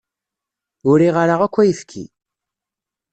Ur riɣ ara akk ayefki.